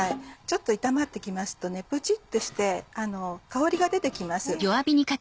ちょっと炒まって来ますとプチっとして香りが出て来ます。